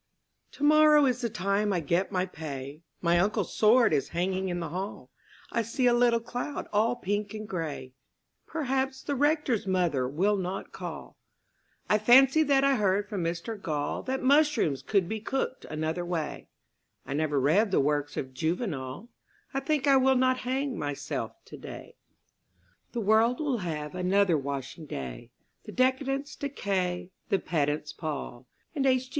Tomorrow is the time I get my pay My uncle's sword is hanging in the hall I see a little cloud all pink and grey Perhaps the Rector's mother will not call I fancy that I heard from Mr Gall That mushrooms could be cooked another way I never read the works of Juvenal I think I will not hang myself today. The world will have another washing day; The decadents decay; the pedants pall; And H.G.